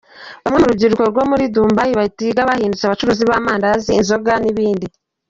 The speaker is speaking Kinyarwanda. Bamwe mu rubyiruko rwo muri "Dumbayi"batiga, bahindutse abacuruzi b’amandazi, inzoga n’ibindi.